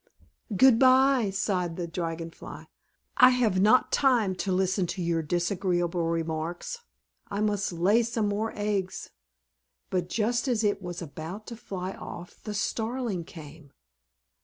"Good bye," sighed the Dragon Fly. "I have not time to listen to your disagreeable remarks. I must lay some more eggs." But just as it was about to fly off the Starling came.